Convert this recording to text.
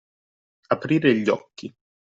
Aprire gli occhi.